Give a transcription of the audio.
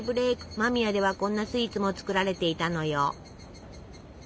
間宮ではこんなスイーツも作られていたのよ。